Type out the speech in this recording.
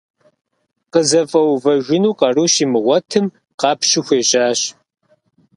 КъызэфӀэувэжыну къару щимыгъуэтым, къэпщу хуежьащ.